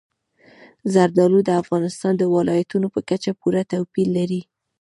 زردالو د افغانستان د ولایاتو په کچه پوره توپیر لري.